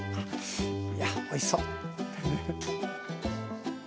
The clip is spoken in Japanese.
やっおいしそう。